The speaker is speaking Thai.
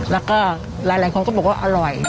แล้วก็หลายคนก็บอกว่าอร่อย